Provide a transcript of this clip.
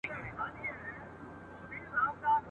د افغاني غازیانو شمېر لږ دئ.